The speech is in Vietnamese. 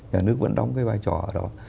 nhà nước vẫn đóng cái vai trò ở đó